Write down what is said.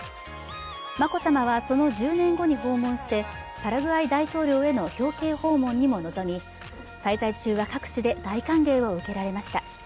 眞子さまはその１０年後に訪問してパラグアイ大統領への表敬訪問にも臨み滞在中は各地で大歓迎を受けられました。